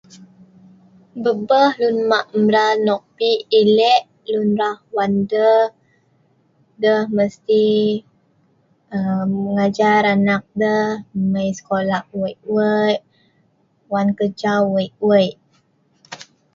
For the old people who have been chosen, the big people for them, they must teach their children to go to good school, good work.